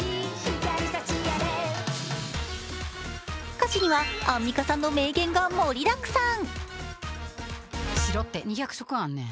歌詞にはアンミカさんの名言が盛りだくさん。